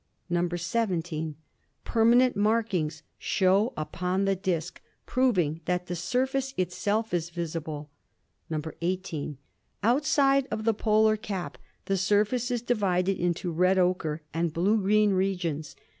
"(17) Permanent markings show upon the disk, proving that the surface itself is visible. "(18) Outside of the polar cap the surface is divided into red ocher and blue green regions.